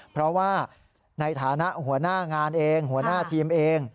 เพราะว่าในฐานะหัวหน้างานเองหัวหน้าทีมเอง